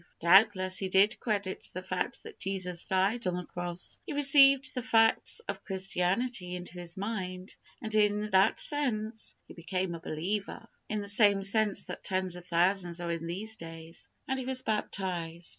Doubtless, he did credit the fact that Jesus died on the cross. He received the facts of Christianity into his mind, and, in that sense, he became a believer in the same sense that tens of thousands are in these days and he was baptized.